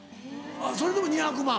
それでも２００万。